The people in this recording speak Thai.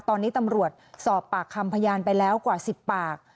ตอนนี้ตำรวจสอบปากคำพยานไปแล้วกว่า๑๐ปาก